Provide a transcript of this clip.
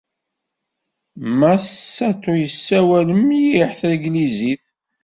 Mass Sato yessawal mliḥ tanglizit.